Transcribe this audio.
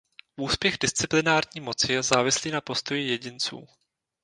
Úspěch disciplinární moci je závislý na postoji jedinců.